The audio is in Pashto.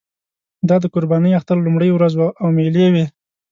دا د قربانۍ اختر لومړۍ ورځ وه او مېلې وې.